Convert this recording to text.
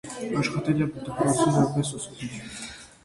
Աշխատել է դպրոցում որպես ուսուցիչ։